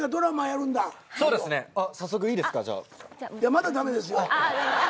まだ駄目ですよ。